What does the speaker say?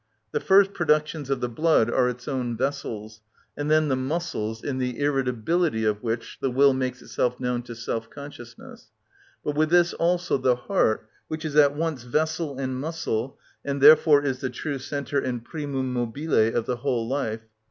The first productions of the blood are its own vessels, and then the muscles, in the irritability of which the will makes itself known to self consciousness; but with this also the heart, which is at once vessel and muscle, and therefore is the true centre and primum mobile of the whole life.